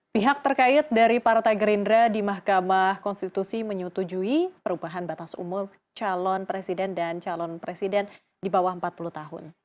pihak terkait dari partai gerindra di mahkamah konstitusi menyetujui perubahan batas umur calon presiden dan calon presiden di bawah empat puluh tahun